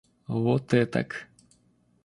Вот этак.